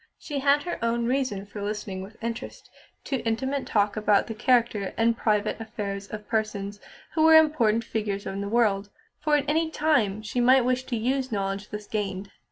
She had her own reason for listening with interest to intimate talk about the character and private affairs of persons who were important figures in the world, for at any time she might wish to use knowledge thus gained.